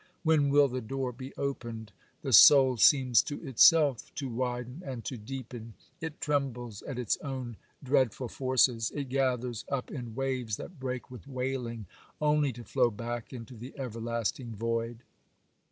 When will the door be opened? The soul seems to itself to widen and to deepen; it trembles at its own dreadful forces; it gathers up in waves that break with wailing, only to flow back into the everlasting void.